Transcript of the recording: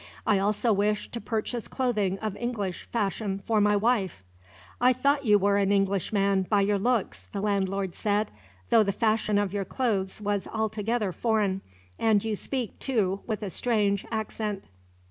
I also wish to purchase clothing of English fashion for my wife." "I thought you were an Englishman, by your looks," the landlord said; "though the fashion of your clothes was altogether foreign, and you speak, too, with a strange accent."